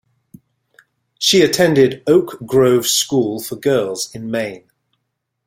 She attended Oak Grove School for Girls in Maine.